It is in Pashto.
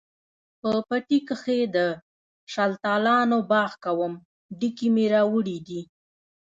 په پټي کښې د شلتالانو باغ کوم، ډکي مې راوړي دي